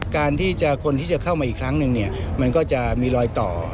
การที่จะคนที่จะเข้ามาอีกครั้งหนึ่งเนี่ยมันก็จะมีลอยต่อครับ